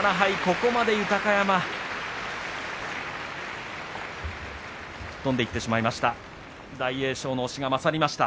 ここまで豊山は吹っ飛んでいってしまいました。